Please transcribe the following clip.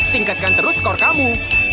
tingkatkan terus skor kamu